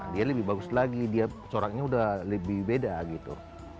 dia lebih bagus lagi dia coraknya udah lebih beda gitu